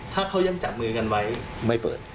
ถ้าเขายังจับมือกันไว้ไม่เปิด